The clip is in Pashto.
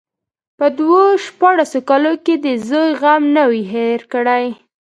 په دو شپاړسو کالو کې يې د زوى غم نه وي هېر کړى.